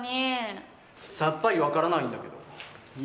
さっぱり分からないんだけど今のやり取り。